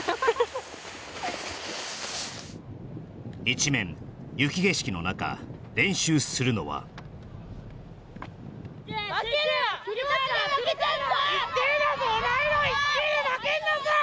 一面雪景色の中練習するのはこーい！